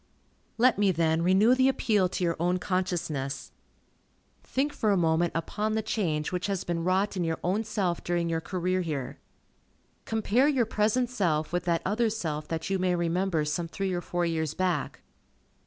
Let me, then, renew the appeal to your own consciousness. Think for a moment upon the change which has been wrought in your own self during your career here. Compare your present self with that other self that you may remember some three or four years back.